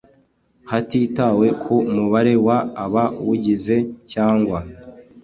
hatitawe ku mubare w abawugize cyangwa